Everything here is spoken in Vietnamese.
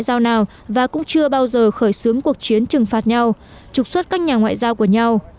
giao nào và cũng chưa bao giờ khởi xướng cuộc chiến trừng phạt nhau trục xuất các nhà ngoại giao của nhau